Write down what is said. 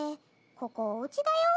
ここおうちだよ？